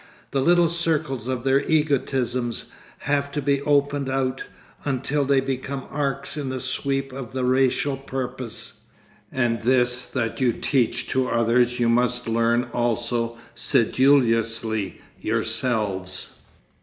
The little circles of their egotisms have to be opened out until they become arcs in the sweep of the racial purpose. And this that you teach to others you must learn also sedulously yourselves.